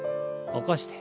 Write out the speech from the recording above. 起こして。